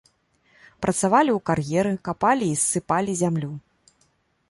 Працавалі ў кар'еры, капалі і ссыпалі зямлю.